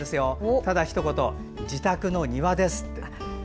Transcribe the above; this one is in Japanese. ただひと言、自宅の庭ですって。